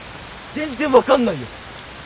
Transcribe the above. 全然分かんないよ！